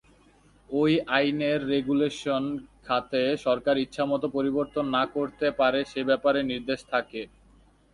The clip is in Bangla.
ওই আইনের রেগুলেশন খাতে সরকার ইচ্ছামত পরিবর্তন না করতে পারে সে ব্যাপারে নির্দেশ থাকে।